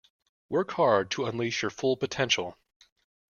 Work hard to unleash your full potential.